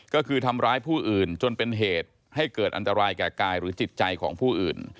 ก็คือทำร้ายผู้อื่นจนเป็นเหตุให้เกิดอันตรายแก่กายหรือจิตใจของผู้อื่น